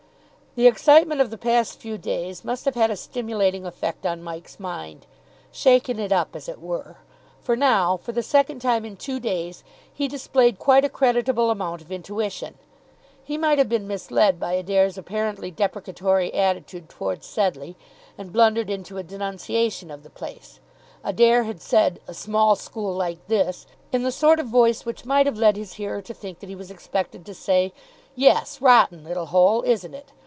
The excitement of the past few days must have had a stimulating effect on Mike's mind shaken it up, as it were: for now, for the second time in two days, he displayed quite a creditable amount of intuition. He might have been misled by Adair's apparently deprecatory attitude towards Sedleigh, and blundered into a denunciation of the place. Adair had said "a small school like this" in the sort of voice which might have led his hearer to think that he was expected to say, "Yes, rotten little hole, isn't it?"